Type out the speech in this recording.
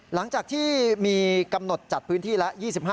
หลังจากที่มีกำหนดจัดพื้นที่แล้ว๒๕